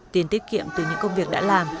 tiền tiết kiệm từ những công việc đã làm